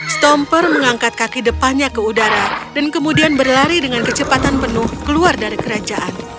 stomper mengangkat kaki depannya ke udara dan kemudian berlari dengan kecepatan penuh keluar dari kerajaan